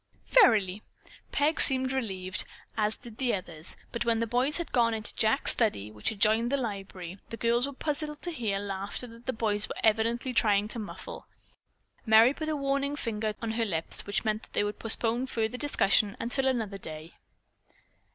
"Verily." Peg seemed relieved, as did the others, but when the boys had gone into Jack's study, which adjoined the library, the girls were puzzled to hear laughter that the boys were evidently trying to muffle. Merry put a warning finger on her lips, which meant that they would postpone further discussion until another day.